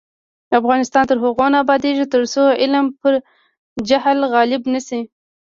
افغانستان تر هغو نه ابادیږي، ترڅو علم پر جهل غالب نشي.